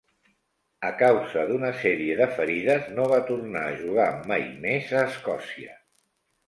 A causa d'una sèrie de ferides, no va tornar a jugar mai més a Escòcia.